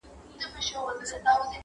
چي د وخت له تاریکیو را بهر سي.